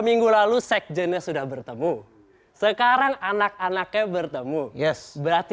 minggu lalu sekjennya sudah bertemu sekarang anak anaknya bertemu yes berarti